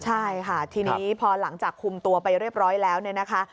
ใช่ค่ะทีนี้พอหลังจากคุมตัวไปเรียบร้อยแล้วเนี่ยนะคะ